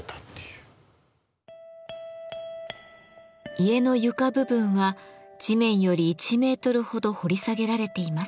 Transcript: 家の床部分は地面より１メートルほど掘り下げられています。